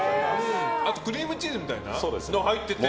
あとクリームチーズみたいなのが入ってて。